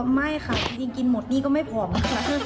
ไม่ค่ะจริงกินหมดนี่ก็ไม่ผอมค่ะ